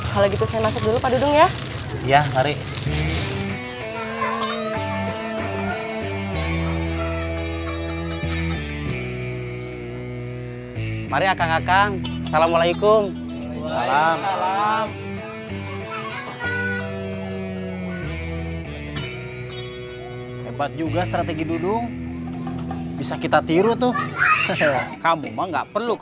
kalau gitu saya masuk dulu